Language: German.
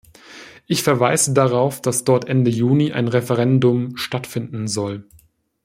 Ich verweise darauf, dass dort Ende Juni ein Referendum stattfinden soll.